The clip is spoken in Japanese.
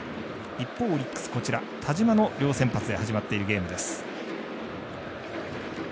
一方、オリックス、田嶋の両先発で始まっている両ゲームです。